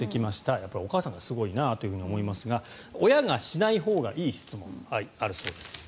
やっぱりお母さんがすごいなと思いますが親がしないほうがいい質問があるそうです。